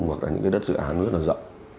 hoặc là những cái đất dự án rất là rộng